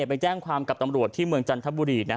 ไปแจ้งความกับตำรวจที่เมืองจันทบุรี